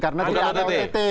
karena tidak ada ott